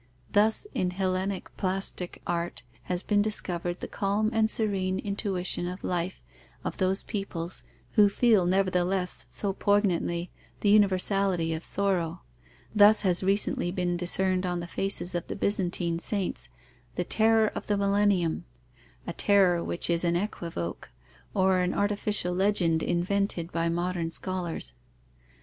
Thus in hellenic plastic art has been discovered the calm and serene intuition of life of those peoples, who feel, nevertheless, so poignantly, the universality of sorrow; thus has recently been discerned on the faces of the Byzantine saints "the terror of the millennium," a terror which is an equivoke, or an artificial legend invented by modern scholars.